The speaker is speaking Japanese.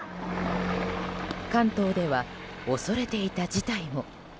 関東では恐れていた事態も。